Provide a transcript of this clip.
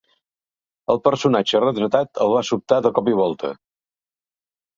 El personatge retratat el va sobtar de cop i volta